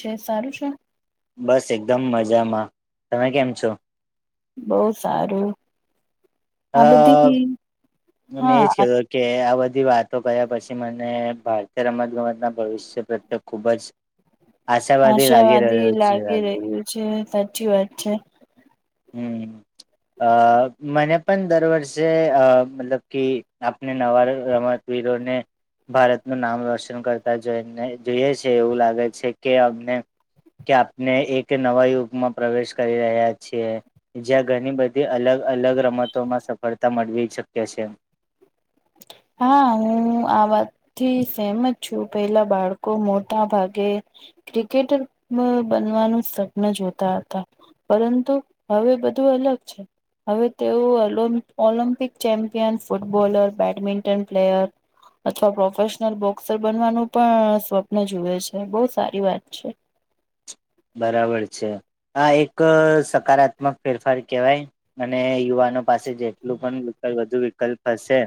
છે સારું છે બસ એકદમ મજામાં, તમે કેમ છો? બહુ સારું આ હમ બધી ત મેં એજ કે હા કે આ બધી વાતો કર્યા પછી મને ભારતીય રમત ગમતના ભવિષ્ય પ્રત્યે ખૂબ જ આશાવાદી લાગી આશાવાદી રહ્યો છેે લાગી રહ્યું છે સાચી વાત છે હમ. અ મને પણ દર વર્ષે અ મતલબ કે આપને નવાર રમત વીરોને ભારતનું નામ રોશન કરતા જોઈને જોઈએ છે એવું લાગે છે કે અમને કે આપને એક નવા યુગમાં પ્રવેશ કરી રહ્યા જ્યાં ઘણી બધી અલગ અલગ સફળતા મળવી શક્ય છે. હા હું આ વાતથી સહમત છું પેલા બાળકો મોટા ભાગે ક્રિકેટર બનવાનું સપ્ન જોતા હતા પરંતુ હવે બધું અલગ છે હવે તેઓ Olympic champion footballer badminton player અથવા પ્રોફેશનલ બોક્સર બનવાનું પણ સ્વપ્ન જુએ છે બહુ સારી વાત છે. બરાબર છે આ એક સકારાત્મક ફેરફાર કેહેવાય અને યુવાન પાસે જેટલું પણ વધુ વિકલ્પ હશે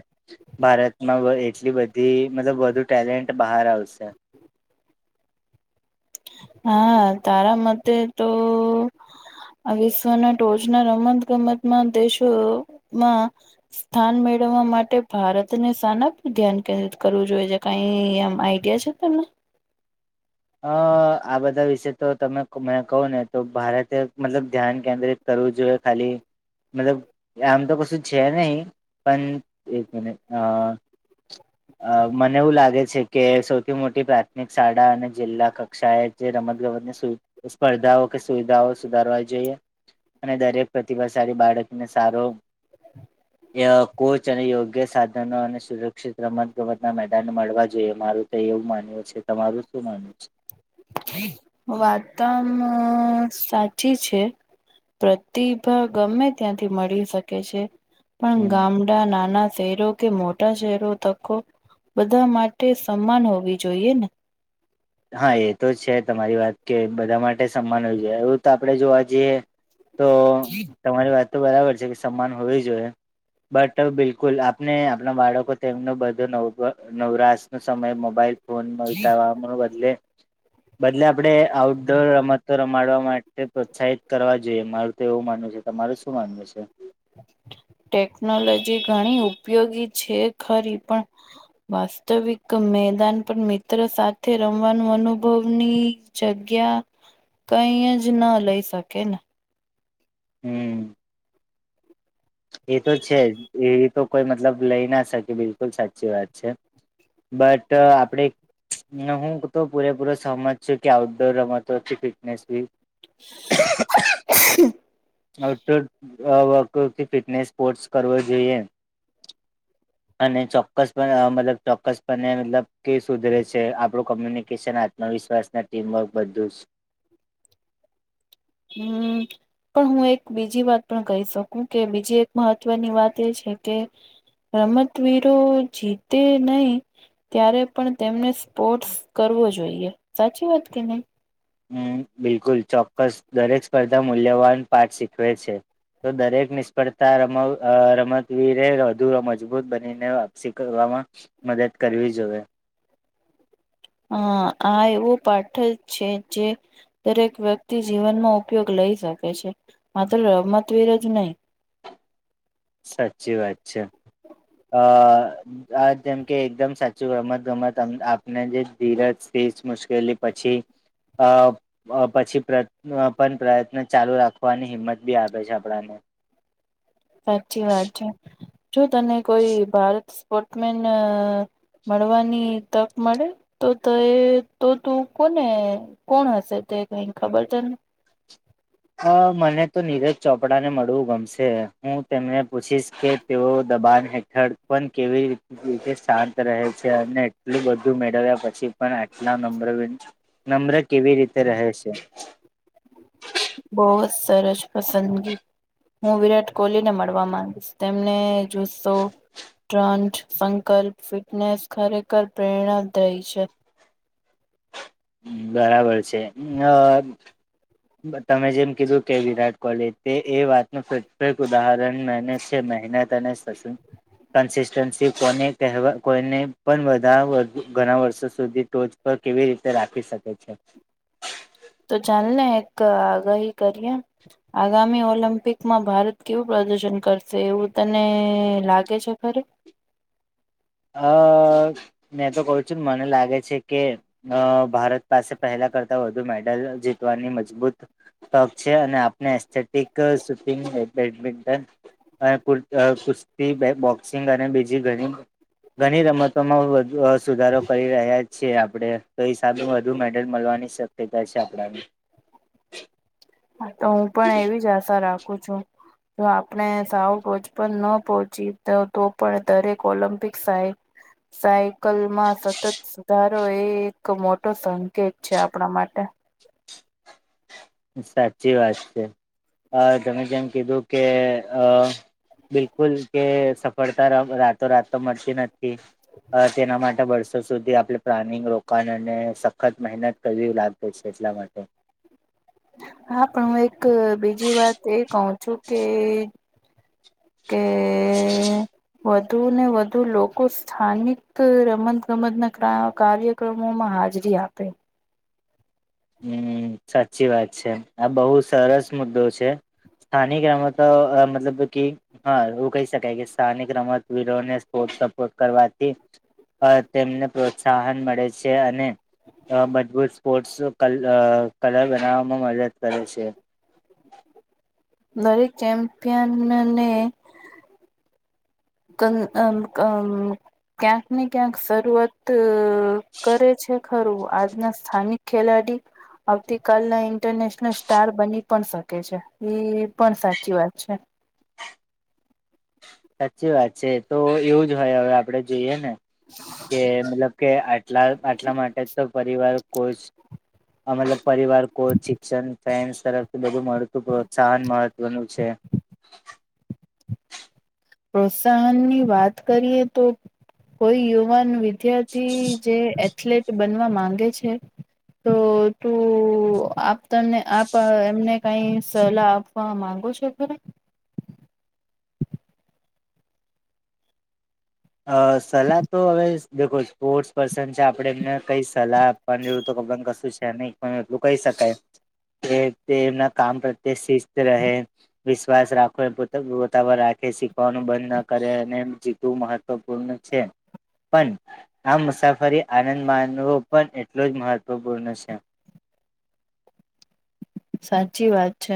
ભારતમાં એટલી થી મતલબ વધુ ટેલેન્ટ બહાર આવશે હા તારા મતે તો આ વિશ્વના ટોચના રમત ગમતમાં દેશોમાં સ્થાન મેળવવા માટે ભારતને સાના ધ્યાન કેન્દ્રિત કરવું જોઈએ? કઈ એમ આઈડિયા છે તમને? અ આ બધા વિશે તો તમે મેં કવ ને તો ભારતે મતલબ ધ્યાન કેન્દ્રિત કરવું જોઈએ ખાલી મતલબ આમ તો કશું છે નહી પણ એક મિનિટ અ અ મને એવું લાગે છે કે સૌથી મોટી પ્રાથમિક શાળા અને જિલ્લા કક્ષાએ જે રમતગમતની સ્પર્ધાઓ કે સુવિધાઓ સુધારવા જોઈએ અને દરેક પ્રતિભાશાળી બાળકને સારો એઅ કોચ અને યોગ્ય સાધનો અને સુરક્ષિત રમત-ગમતના મેદાન મળવા જોઈએ, મારું તો એવું માનવુ છે. તમારું શું માનવુ છે? વાતમ સાચી છે. પ્રતિભા ગમે ત્યાંથી મળી શકે છે. પણ હમ ગામડા, નાના શહેરો કે મોટા ચહેરો તકો બધા માટે સમાન હોવી જોઈએ ને. હા, એ તો છે તમારી વાત કે બધા માટે સમાન હોવી જોઈએ, એવું તો આપણે જોવા જઈએ તો [inaudible] તમારી વાત તો બરાબર કે સમાન હોવી જોઈએ બટ બિલકુલ આપને આપણા બાળકો તેમનો બધો નવ-નવરાશનો સમય મોબાઈલ [inaudible] બદલે બદલે આપડે આઉટડોર રમતો રમાડવા માટે પ્રોત્સાહિત કરવા જોઈએ. મારું તો એવું માનવુ છે, તમારે શું માનવું છે? ટેકનોલોજી ઘણી ઉપયોગી છે ખરી પણ વાસ્તવિક મેદાન પર મિત્ર સાથે રમવાનું અનુભવની જગ્યા કઈ જ ન લઈ શકે ને! હમ્મ. એ તો છે જ, એ તો કોઈ મતલબ લઈ ના શકે બિલકુલ સાચી વાત છે બટ આપડે હું તો પૂરેપૂરો સહમત છું કે આઉટડોર રમતો ફિટનેસ બી [inaudible] આઉટડોર અ વર્કઆઉથી ફિટનેસ સ્પોર્ટસ કરવો જોઈએ [inaudible] અને ચોક્કસ પણ મતલબ ચોક્કસ પને મતલબ કે સુધરે છે આપણું કોમ્યુનિકેશન આ ત્મવિશ્વાસના ટીમવર્ક બધું જ હમ્મ. પણ હું એક બીજી વાત પણ કહી શકું, કે બીજી એક મહત્વની વાત એ છે કે રમતવીરો જીતે નહી ત્યારે પણ તેમને સ્પોર્ટ્સ કરવો જોઈએ, સાચી વાત કે નહી. હમ્મ, બિલકુલ ચોક્કસ. દરેક સ્પર્ધા મૂલ્યવાન પાઠ શીખવે છે. તો દરેક નિષ્ફળતા રમ-રમતવીરે વધુ મજબૂત બનીને વાપસી કરવામાં મદદ કરવી જોવે. હા, આ એવો પાઠ જ છે જે દરેક વ્યક્તિ જીવનમાં ઉપયોગ લઈ શકે છે, માત્ર રમતવીર જ નહી. સાચી વાત છે. આ આ જેમ કે એકદમ સાચું રમત-ગમત અમ આપને જે ધીરજથી જ મુશ્કેલી પછી અ અ પછી પ્ર પણ પ્રયત્ન ચાલુ રાખવાની હિંમત બી આપે છે આપડાને. સાચી વાત છે. જો તને કોઈ ભારત સ્પોર્ટમેન મળવાની તક મળે તો તો એ તો તું કોને કોણ હશે તે કઈ ખબર તન અ મને તો નીરજ ચોપડાને મળવું ગમશે. હું તેમને પૂછીશ કે તેઓ દબાણ હે ઠળ પન કેવી રી રીતે શાંત રહે છે અને એટલું બધું મેળવ્યા પછી પણ આટલા નમ્ર નમ્ર કેવી રીતે રહે છે. બહુ જ સરસ પસંદગી હું વિરાટ કોહલી ને મળવા માંગીશ તેમને જોશો [unintelligible] સંકલ્પ ફિટનેસ ખરેખર છે. બરાબર છે. [unintelligible] તમે જેમ કીધું વિરાટ કોહલી તે એ વાતનું પ્રત્યેક ઉદાહરણ છે મહેનત અને [unintelligible] કન્સિસ્ટન્સી કોને કહેવા કોઈને પણા ઘણા વર્ષો સુધી ટોચ કેવી રીતે રાખી શકે છે. તો ચાલ ને એક આગાહી કરીએ આગામી ઓલિમ્પિકમાં ભારત કેવું પ્રદર્શન કરશે, એવું તને લાગે છે ખરે અ મેં તો કઉ છું ને મને લાગે છે કે અ ભારત પાસે પહેલા કરતા વધુ મેડલ જીતવાની મજબૂત ટોક છે અને આપને એસ્થેટિક સુપિંગ બેડમિન્ટન કુસ્તી બે બોક્સિંગ અને બીજી ઘણી ઘણી રમતોમાં વધુ સુધારો કરી રહ્યા છીએ આપણે તો હિસાબે વધુ મેડલ મળવાની શ ટ છે આપડા તો હું પણ એવી જ આશા રાખું છું. જો આપણે સાવ ટોજ પણ ન પહોંચી તો પણ દરેક ઓલમ્પિક્સ થાય સાયકલમાં સતત સુધારો એ એક મોટો સંકેત છે આપણા માટે સાચી વાત છે. અ તમે જેમ કીધું કે અ બિલકુલ કે સફળતા રાતો રાત તો મળતી નથી. તેના માટે વર્ષો સુધી આપણે પ્લાનિંગ રોકાણને સખત મહેનત કરવી લાગે છે એટલા માટે હા, પણ એક બીજી વાત એ કહું છું કે કે.... વધુ ને વધુ લોકો સ્થાનિક રમત ગમત ના કાર્ય ક્રમોમાં હાજરી આપે હમ સાચી વાત છે આ બહુ સરસ મુદ્દો છે. સ્થાનિક રમતો તો મતલબ કે હા એવું કહી શકાય કે સ્થાનિક રમતવીરોને સ્પોર્ટ સપોર્ટ કરવાથી તેમને પ્રોત્સાહન મળે છે અને બધું સ્પોર્ટ્સ કલ કલર બનાવવામાં મદદ કરે છે. દરેક ચેમ્પિયનને ક્યાંક ને ક્યાંક શરૂઆત કરે છે ખરું આજના સ્થાનિક ખેલાડી આવતી કલના ઇન્ટરનેશનલ સ્ટાર બની પણ શકે છે, એ પણ સાચી વાત છે. સાચી વાત છે, તો એવું જ હોય હવે આપડે જોઈએ ને કે મતલબ કે આટલા આટલા માટે તો પરિવાર કોઈ [unintelligible] આ મતલબ પરિવાર શિક્ષણ [unintelligible] તરફથી બધું મળતું પ્રોત્સાહન મહત્વનું છે. [unintelligible] પ્રોત્સાહન ની વાત કરીએ તો કોઈ યુવાન વિધાર્થી જે એથ્લેટ બનવા માંગે છે. તો તું આપ તને આપ એમને કઈ સલાહ આપ પણ માંગો છો. ખરા! અ સલાહ તો હવે સ્પોર્ટ્સ પર્સન છે, આપણે એમને કઈ સલાહ. વું તો કબર કશું છે. ન પણ એટલું કહી શકાય. કે તે કામ પ્રત્યે શિસ્ત રહે. વિશ્વાસ રાખો પોતા [unintelligible] રાખે શીખવાનું બંધ ના કરે અને જીતવું મહ [unintelligible] પણ આ મુસાફરી આનંદ માનવો પણ એટલો જ મહત્વપૂર્ણ છે. સાચી વાત છે,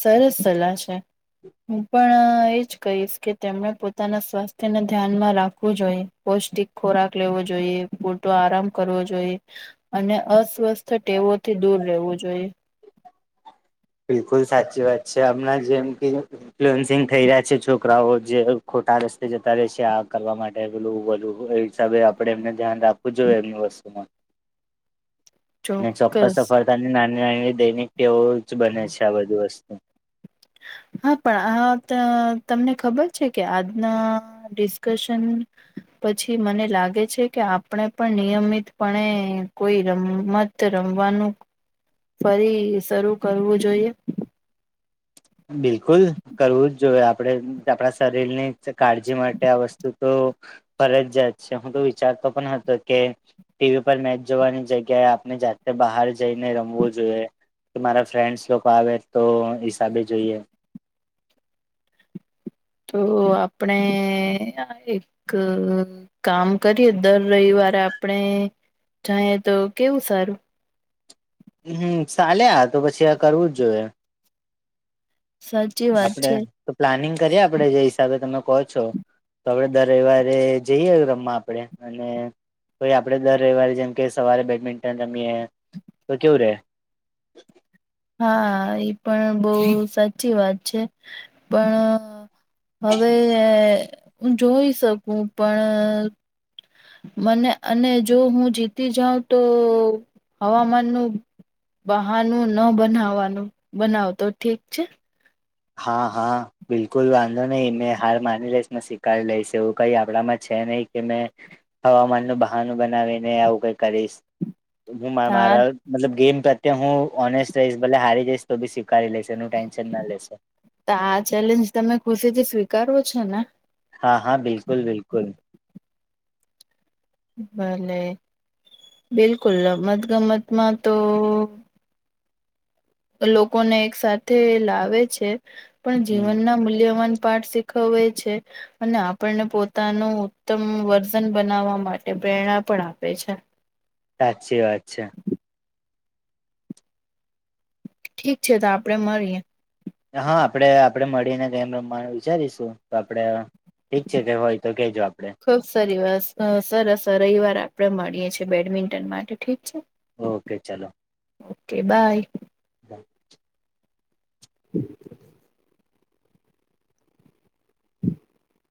સરસ સલાહ છે. હું પણ એજ કહીશ. કે તેમણે પોતાના સ્વાસ્થ્યને ધ્યાનમાં રાખવું જોઈએ. પૌષ્ટિક ખોરાક લેવો જોઈએ પૂરતો આરામ કરવો જોઈએ. અને અસ્વસ્થ ટેવોથી દુર રહેવું જોઈએ. બિલકુલ સાચી વાત છે, આપણા જેમ કે, [unintelligible] ન્ફલએન્સિંગ થઈ રહ્યા છે, છોકરાઓ જે ખોટા રસ્તે જતા રહે છે આ કરવા માટે [inaudible] હસાબે આપડણે એમને ધ્યાન રાખવું જોઈએ, એમની વસ્તુમાં. ને ચોક્કસ સફળતાની નાની નાની દૈનિક તેઓ જ બને છે. આ બધું વસ્તુ, હા પણ આ તમને ખબર છે, કે આજના ડિસ્કશન, પછી મને લાગે છે. કે આપણે પણ નિયમિતપણે કોઈ રમત રમવાનું.. ફરી શરૂ કરવું જોઈએ. બિલકુલ કરવું જ જોઈએ. આપણેે આપણા શરીરની જ કાળજી માટે આ વસ્તુ, તો ફરજીયાત છે, હું તો વિચારતો પણ હતો. કે ટીવી પર મેચ જોવાની જગ્યાએ આપણે જાતે બહાર જઈને રમવું જોઈએ. કે મારા ફ્રેન્ડસ લોકો આવે, તો સાથે જઈએ. તો આપણે એક કામ કરીએ દર રવિવારે આપડે જાયે તો કેવું સારું. હમ સાલે આતો, પછી આ કરવું જ જોઈએ. સચ, આપડે તો પ્લાનિંગ કરીએ આપડે જય હિસાબે તમે કહો છો હવે તો દર રવિવારે જઈએ, રમવા આપણેે અને ભાઈ આપડે દર રવિવારે જેમ કે સવારે બેડમિન્ટન રમીએ તો કેવું રે, હા એ પણ બહુ સાચી વાત છે, પણ હવે, જોઈ શકું પણ, મને અને જો હું જીતી જાઉં તો હવામાનનું. બહાનું ન બનાવવાનું બનાવતો ઠીક છે. હા, હા, બિલકુલ વાંધો નહી. મેં હાર માની લઈશ. સ્વીકારી લઈશ એવું કઈ આપણામાં છે. નહી કે મેં હવામાનનું બહાનું બનાવીને આવું કઈ કરીશ. હું હા, મારા મતલબ ગેમ પ્રત્યે હું ઓનેસ્ટ રહીશ ભલે હારી જઈશ તો ભી સ્વીકારી લઈશ. તેનું ટેન્શન ના લેશો. તો આ ચેલેન્જ તમે ખુશીથી સ્વીકારો છો ને. હા હા બિલકુલ બિલકુલ. ભલે બિલકુલ રમત ગમત માંતો. લોકોને એક સાથે લાવે છે, પણ હમ જીવનના મૂલ્યવાન પાઠ. કવે છે. અને આપણને પોતાનું ઉત્તમ વર્જન બનાવવા માટે પ્રેરણા પણ આપે છે. સાચી વાત છે. ઠીક છે તો આપડે મળીએ હા આપડે આપડે મળીને ગેમ રમવાનું વિચારીશું તો આપડે ઠીક છે લેવા હોય તો કેજો આપડે ખુબ સારી વાત સરસ રવિવાર આપડે મળીએ છીએ બેડમિન્ટન માટે ઠીક છે. ઓકે ચલો ઓકે બાય. [inaudible] [inaudible] [inaudible]